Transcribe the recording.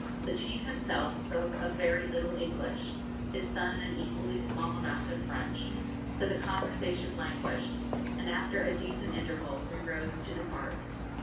The chief himself spoke a very little English, his son an equally small amount of French; so the conversation languished, and after a decent interval we rose to depart.